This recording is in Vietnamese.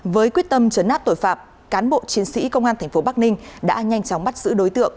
với quyết tâm trấn áp tội phạm cán bộ chiến sĩ công an tp bắc ninh đã nhanh chóng bắt giữ đối tượng